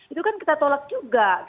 itu kan kita tolak juga